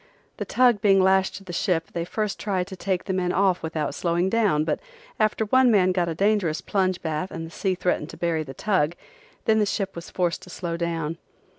The tug being lashed to the ship they first tried to take the men off without slowing down but after one man got a dangerous plunge bath and the sea threatened to bury the tug then the ship was forced to slow down.